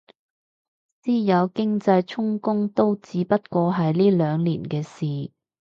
私有經濟充公都只不過係呢兩年嘅事